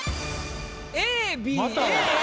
ＡＢＡＡ。